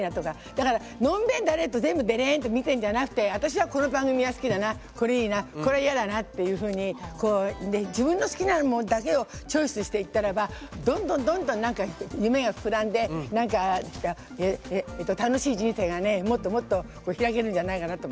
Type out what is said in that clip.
だから、のんべんでれんと見てるんじゃなくて私はこれいいなこれ嫌だなっていうふうに自分の好きなものだけをチョイスしていったらばどんどん夢が膨らんで楽しい人生がもっともっと開けるんじゃないかなと。